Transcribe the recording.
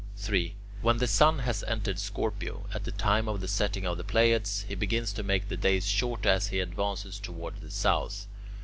3. When the sun has entered Scorpio, at the time of the setting of the Pleiades, he begins to make the days shorter as he advances toward the south.